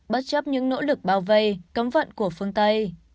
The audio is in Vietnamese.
bất chấp những nỗ lực bao vây cấm vận của phương tây